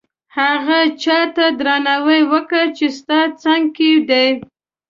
هغه چاته درناوی وکړه چې ستا څنګ کې دي.